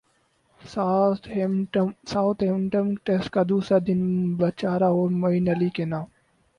ساتھ Hampton test کا دوسرا دن پجارا اور معین علی کے نام